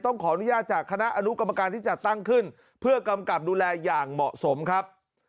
ขออนุญาตจากคณะอนุกรรมการที่จะตั้งขึ้นเพื่อกำกับดูแลอย่างเหมาะสมครับ